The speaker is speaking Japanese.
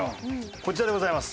こちらでございます。